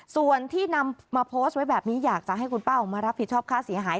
ส่วนที่นำมาโพสต์ไว้แบบนี้อยากจะให้คุณป้าออกมารับผิดชอบค่าเสียหาย